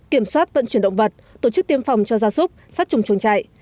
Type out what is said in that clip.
kiểm soát vận chuyển động vật tổ chức tiêm phòng cho gia súc sát trùng chuồng trại